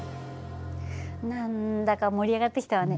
何だか盛り上がってきたわね。